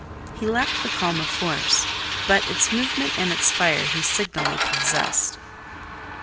He lacked the calm of force, but its movement and its fire he signally possessed.